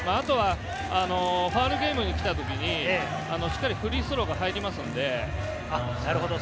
ファウルゲームに来た時にしっかりフリースローが入りますので。